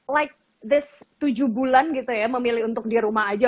like this tujuh bulan gitu ya memilih untuk di rumah aja